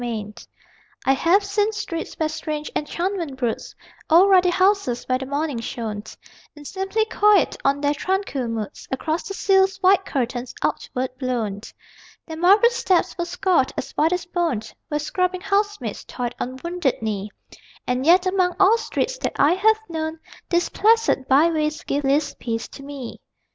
STREETS I have seen streets where strange enchantment broods: Old ruddy houses where the morning shone In seemly quiet on their tranquil moods, Across the sills white curtains outward blown. Their marble steps were scoured as white as bone Where scrubbing housemaids toiled on wounded knee And yet, among all streets that I have known These placid byways give least peace to me.